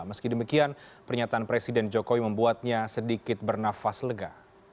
meski demikian pernyataan presiden jokowi membuatnya sedikit bernafas lega